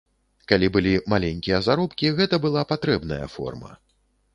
Калі былі маленькія заробкі, гэта была патрэбная форма.